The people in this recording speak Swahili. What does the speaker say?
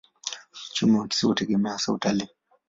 Uchumi wa kisiwa hutegemea hasa utalii.